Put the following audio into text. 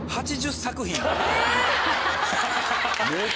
８０作品も。